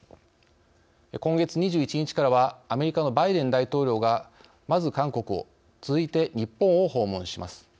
今月２１日からはアメリカのバイデン大統領がまず韓国を続いて日本を訪問します。